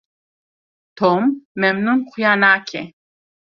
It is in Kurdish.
Tom memnûn xuya nake.